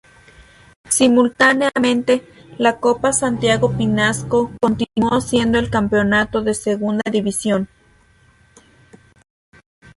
Simultáneamente, la Copa Santiago Pinasco continuó siendo el campeonato de segunda división.